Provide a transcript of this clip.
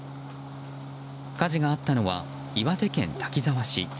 火事があったのは岩手県滝沢市。